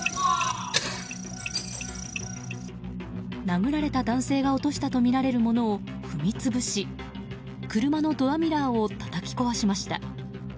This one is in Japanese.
殴られた男性が落したとみられるものを踏みつぶし車のドアミラーをたたき壊しました。